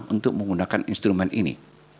untuk menggunakan instrumen ini